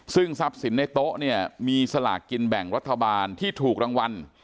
ซึ่งทรัพย์สินในโต๊ะเนี่ยมีสลากกินแบ่งรัฐบาลที่ถูกรางวัล